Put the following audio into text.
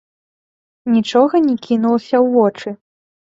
Нічога не кінулася ў вочы?